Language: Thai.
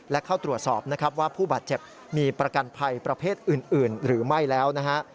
และเข้าตรวจสอบนะครับว่าผู้บาดเจ็บมีประกันภัยประเภทอื่นหรือไม่แล้วนะฮะ